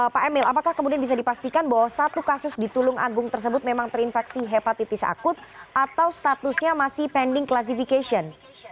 pak emil apakah kemudian bisa dipastikan bahwa satu kasus di tulung agung tersebut memang terinfeksi hepatitis akut atau statusnya masih pending classification